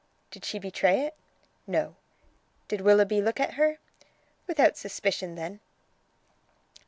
"Did she betray it?" "No." "Did Willoughby look at her?" "Without suspicion then."